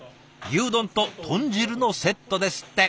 牛丼と豚汁のセットですって。